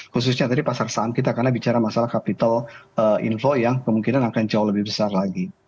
khususnya tadi pasar saham kita karena bicara masalah capital inflow yang kemungkinan akan jauh lebih besar lagi